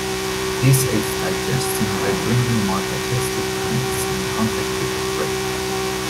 This aids digestion by bringing more digestive glands in contact with the prey.